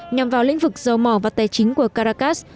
nhằm vào lĩnh vực dầu mỏ và tài chính của caracas